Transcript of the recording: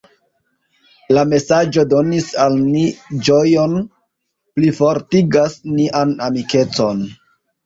La mesaĝo donis al ni ĝojon, plifortigas nian amikecon.